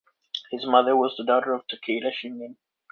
His mother was the daughter of Takeda Shingen.